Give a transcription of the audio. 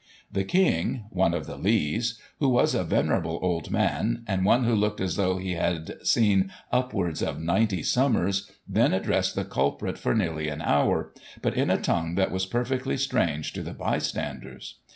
The King (one of the Lees), who was a venerable old man, and one who looked as though he had seen upwards of 90 summers, then addressed the culprit for nearly an hour, but in a tongue that was perfectly strange to the bystanders.